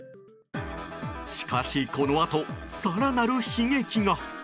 しかしこのあと、更なる悲劇が。